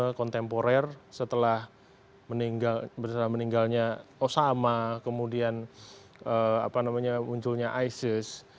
yang kontemporer setelah meninggalnya osama kemudian munculnya isis